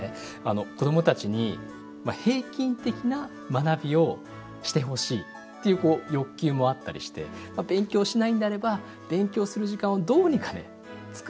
子どもたちに平均的な学びをしてほしいっていう欲求もあったりして勉強しないんであれば勉強する時間をどうにかつくりたいなって思ってしまうんですよね。